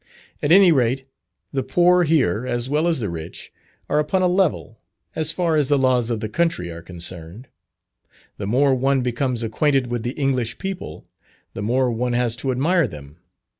At any rate, the poor here, as well as the rich, are upon a level, as far as the laws of the country are concerned. The more one becomes acquainted with the English people, the more one has to admire them.